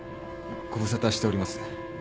ご無沙汰しております。